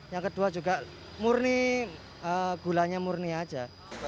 jangan murni gulanya murni aja